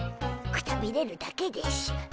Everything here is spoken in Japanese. くたびれるだけでしゅ。